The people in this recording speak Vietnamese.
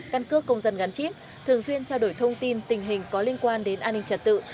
căn cước công dân gắn chip thường xuyên trao đổi thông tin tình hình có liên quan đến an ninh trật tự